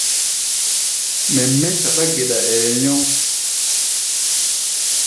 Mɛ mɛ́ saɗá-geɗa, ɛɛ nyɔŋ.